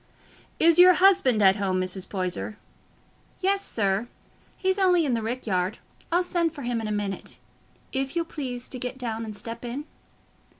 "Is your husband at home, Mrs. Poyser?" "Yes, sir; he's only i' the rick yard. I'll send for him in a minute, if you'll please to get down and step in."